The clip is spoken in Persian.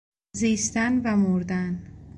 زیستن و مردن